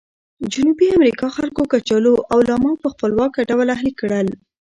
جنوبي امریکا خلکو کچالو او لاما په خپلواکه ډول اهلي کړل.